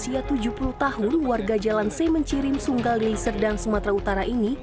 suriati seorang ibu berusia tujuh puluh tahun warga jalan c mencirim sunggal liser dan sumatera utara ini